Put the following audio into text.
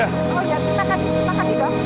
oh ya silakan silakan juga